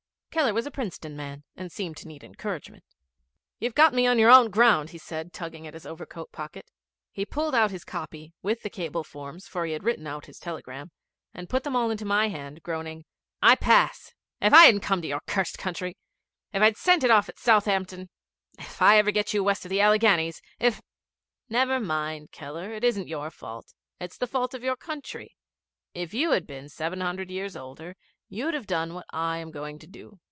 Keller was a Princeton man, and he seemed to need encouragement. 'You've got me on your own ground,' said he, tugging at his overcoat pocket. He pulled out his copy, with the cable forms for he had written out his telegram and put them all into my hand, groaning, 'I pass. If I hadn't come to your cursed country If I'd sent it off at Southampton If I ever get you west of the Alleghannies, if ' 'Never mind, Keller. It isn't your fault. It's the fault of your country. If you had been seven hundred years older you'd have done what I am going to do.'